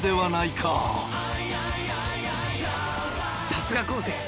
さすが昴生！